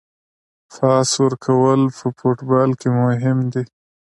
پاس ورکول په فوټبال کې مهم دي.